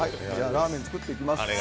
ラーメン、作っていきます。